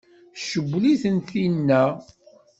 Tcewwel-itent tinna?